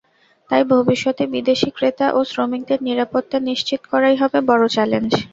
তাই ভবিষ্যতে বিদেশি ক্রেতা ও শ্রমিকদের নিরাপত্তা নিশ্চিত করাই হবে বড় চ্যালেঞ্জ।